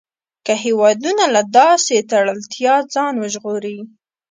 که هېوادونه له داسې تړلتیا ځان وژغوري.